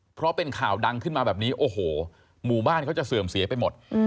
เพราะเป็นข่าวดังขึ้นมาแบบนี้โอ้โหหมู่บ้านเขาจะเสื่อมเสียไปหมด